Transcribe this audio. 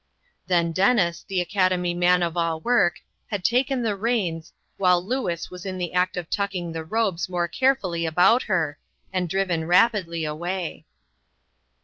Then Dennis, the Academy man of all work, had taken the reins, while Louis was in the act of tucking the robes more carefully about her, and driven rapidly away.